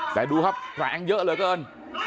แต่ดูครับแข็งเยอะเลยเกิน